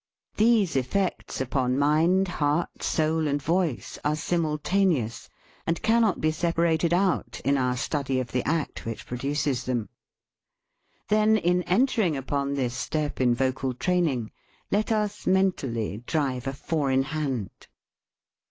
These effects upon mind, heart, soul, and voice are simul 38 DISCUSSION taneous, and cannot be separated out in our study of the act which produces them. Then, in entering upon this step in vocal training, let us mentally drive a four in hand.